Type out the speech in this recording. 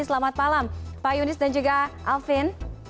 selamat malam pak yunis dan juga alvin